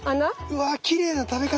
うわきれいな食べ方。